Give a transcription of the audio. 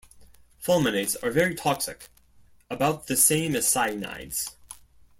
Fulminates are very toxic, about the same as cyanides.